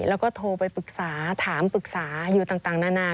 แล้วก็โทรไปปรึกษาถามปรึกษาอยู่ต่างนานา